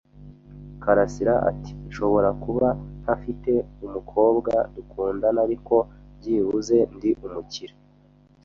karasira ati: "Nshobora kuba ntafite umukobwa dukundana, ariko byibuze ndi umukire."